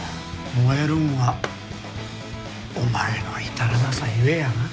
燃えるんはお前の至らなさ故やなあ。